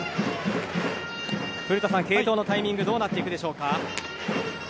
古田さん、継投のタイミングどうなっていくでしょうか。